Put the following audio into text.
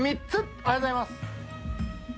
おはようございます。